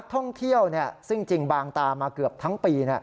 ท่องเที่ยวซึ่งจริงบางตามาเกือบทั้งปี